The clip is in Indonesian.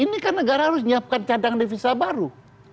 ini kan negara harus menyiapkan cadangan devisa baru